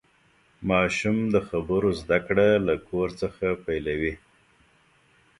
ماشوم د خبرو زدهکړه له کور څخه پیلوي.